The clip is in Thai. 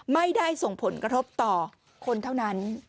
ไม่ได้ส่งผลกระทบต่อคนเท่านั้น